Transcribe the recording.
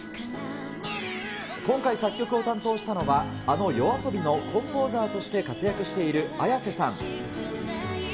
今回、作曲を担当したのは、あのＹＯＡＳＯＢＩのコンポーザーとして活躍しているＡｙａｓｅさん。